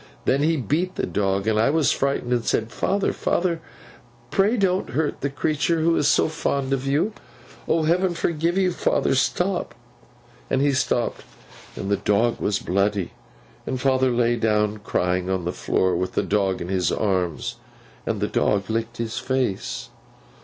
Then he beat the dog, and I was frightened, and said, "Father, father! Pray don't hurt the creature who is so fond of you! O Heaven forgive you, father, stop!" And he stopped, and the dog was bloody, and father lay down crying on the floor with the dog in his arms, and the dog licked his face.